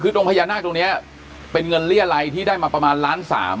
คือตรงพญานาคตรงนี้เป็นเงินเรียรัยที่ได้มาประมาณล้านสาม